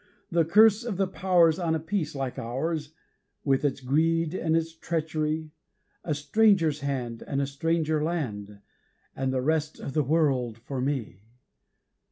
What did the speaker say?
The curse of the Powers on a peace like ours, With its greed and its treachery A stranger's hand, and a stranger land, And the rest of the world for me!